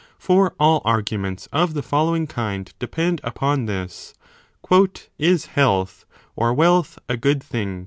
For all arguments of the following kind depend upon this. Is health, or wealth, a good thing